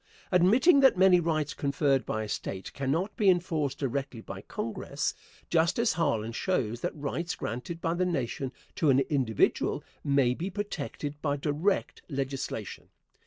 Admitting that many rights conferred by a State cannot be enforced directly by Congress, Justice Harlan shows that rights granted by the Nation to an individual may be protected by direct legislation.